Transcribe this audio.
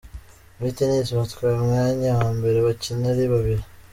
Muri Tennis batwaye umwanya wa mbere bakina ari babiri.